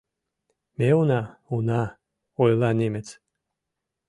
— Ме уна, уна, — ойла немец.